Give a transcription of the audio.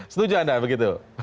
setuju anda begitu